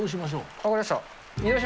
分かりました。